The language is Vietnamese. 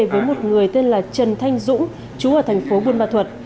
với một người tên là trần thanh dũng chú ở thành phố buôn ma thuật